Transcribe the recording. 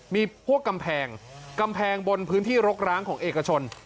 มีพวกกำแพงกำแพงบนพื้นที่รกร้างของเอกชน